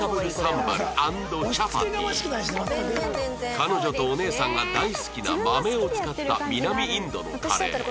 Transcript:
彼女とお姉さんが大好きな豆を使った南インドのカレー